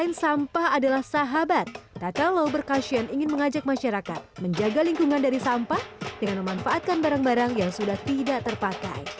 selain sampah adalah sahabat tata laubercussion ingin mengajak masyarakat menjaga lingkungan dari sampah dengan memanfaatkan barang barang yang sudah tidak terpakai